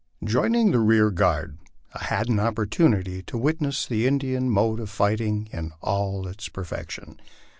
Joining the rear guard, I had an opportunity to witness the Indian mode of fighting in all its perfection.